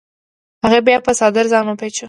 هغې بیا په څادر ځان وپیچوه.